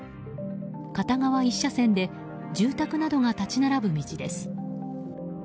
片側１車線で住宅などが立ち並ぶ道です。